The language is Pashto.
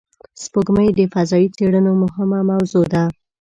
سپوږمۍ د فضایي څېړنو مهمه موضوع ده